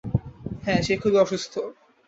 হ্যাঁ, সে খুবই অসুস্থ।